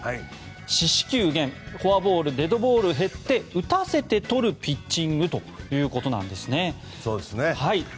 四死球減フォアボールデッドボール減って打たせて取るピッチングということですね。